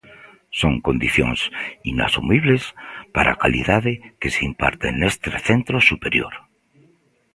Son condicións inasumibles para a calidade que se imparte neste centro superior.